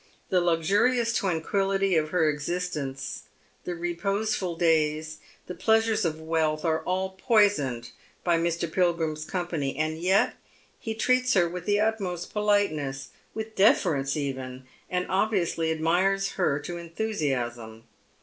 The luxurious tranquillity of her existence, the reposeful days, the pleasures of wealth, are all poisoned by Mr. Pilgrim's company, and yet he treats her with the utmost poHteness, with deference even, and obviously admires her to enthusiasm.